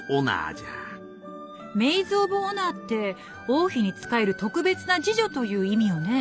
「メイズ・オブ・オナー」って王妃に仕える特別な侍女という意味よね？